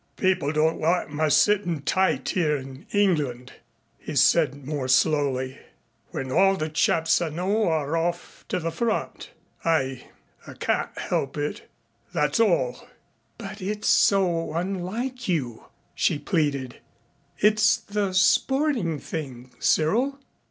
"People don't like my sittin' tight here in England," he said more slowly, "when all the chaps I know are off to the front. I I can't help it. That's all." "But it's so unlike you," she pleaded. "It's the sporting thing, Cyril."